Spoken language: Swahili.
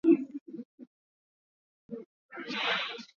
Alifariki na kuzikwa katika kijiji cha Butiama